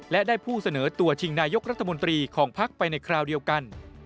และได้ผู้เสนอตัวชิงนายกรัฐมนตรีของพักไปในคราวเดียวกัน